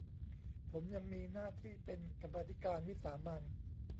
ผมยังมีหน้าที่เป็นกรรมาธิการวิสามัญ